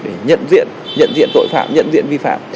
để nhận diện tội phạm nhận diện vi phạm